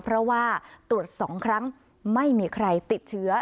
เพราะว่าตรวจ๒ครั้งไม่มีใครติดเชื้อ